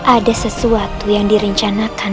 ada sesuatu yang direncanakan